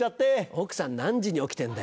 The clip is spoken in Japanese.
奥さん何時に起きてんだよ。